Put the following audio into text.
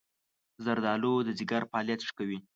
زردآلو د ځيګر فعالیت ښه کوي.